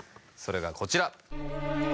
それがこちら。